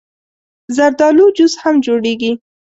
زردالو جوس هم جوړېږي.